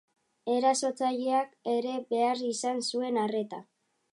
Erasotzaileak ere behar izan zuen arreta.